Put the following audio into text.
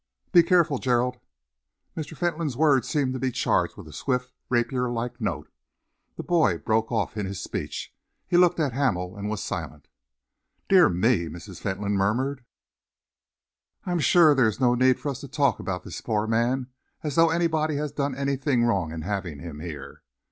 "Be careful, Gerald." Mr. Fentolin's words seemed to be charged with a swift, rapier like note. The boy broke off in his speech. He looked at Hamel and was silent. "Dear me," Mrs. Fentolin murmured, "I am sure there is no need for us to talk about this poor man as though anybody had done anything wrong in having him here.